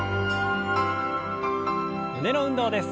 胸の運動です。